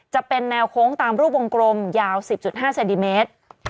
จะเป็นแนวโค้งตามรูปวงกลมยาว๑๐๕เซนติเมตร